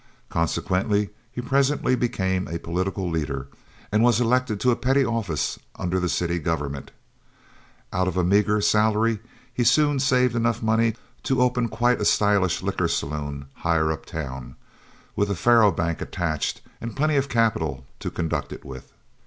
Consequently he presently became a political leader, and was elected to a petty office under the city government. Out of a meager salary he soon saved money enough to open quite a stylish liquor saloon higher up town, with a faro bank attached and plenty of capital to conduct it with.